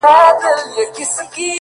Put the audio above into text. د نازولي یار په یاد کي اوښکي غم نه دی _